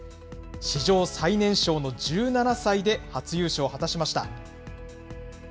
史上最年少の１７歳で初優勝を果たしました。